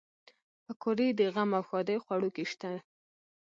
پکورې د غم او ښادۍ خوړو کې شته